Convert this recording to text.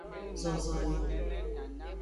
Zon zonlin.